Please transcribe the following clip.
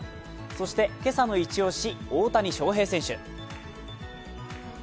そして今朝のイチ押し、大谷翔平選手。